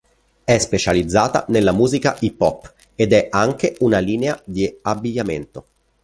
È specializzata nella musica hip hop ed è anche una linea di abbigliamento.